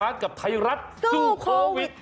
กับไทยรัฐสู้โควิด